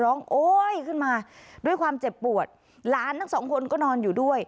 โอ๊ยขึ้นมาด้วยความเจ็บปวดหลานทั้งสองคนก็นอนอยู่ด้วย